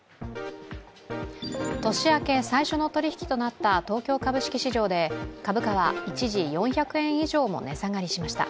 年明け最初の取引となった東京株式市場で株価は一時４００円以上も値下がりしました。